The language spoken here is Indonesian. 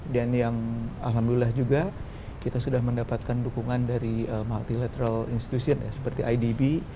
dan yang alhamdulillah juga kita sudah mendapatkan dukungan dari multilateral institution seperti idb